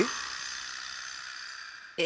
え？